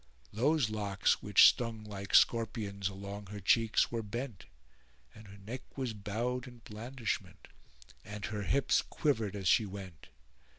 Those locks which stung like scorpions along her cheeks were bent, and her neck was bowed in blandishment, and her hips quivered as she went.